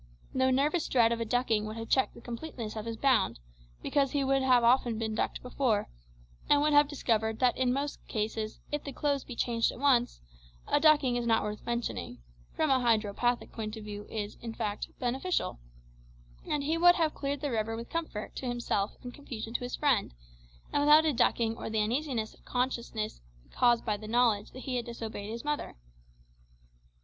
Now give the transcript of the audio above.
No nervous dread of a ducking would have checked the completeness of his bound, because he would have often been ducked before, and would have discovered that in most cases, if the clothes be changed at once, a ducking is not worth mentioning from a hydropathic point of view is, in fact, beneficial and he would have cleared the river with comfort to himself and confusion to his friend, and without a ducking or the uneasiness of conscience caused by the knowledge that he had disobeyed his mother.